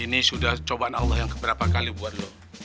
ini sudah cobaan allah yang keberapa kali buat lo